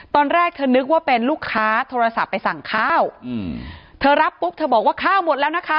ตอนแรกเธอนึกว่าเป็นลูกค้าโทรศัพท์ไปสั่งข้าวอืมเธอรับปุ๊บเธอบอกว่าข้าวหมดแล้วนะคะ